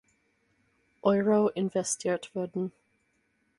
Euro investiert wurden.